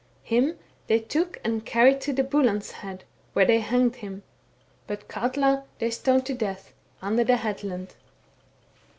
Him they took and carried to Buland's head, where they hanged him. ... But Katla they stoned to death under the headland."